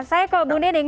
saya ke bu nining